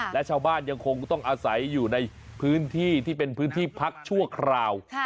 และชาวบ้านยังคงต้องอาศัยอยู่ในพื้นที่ที่เป็นพื้นที่พักชั่วคราว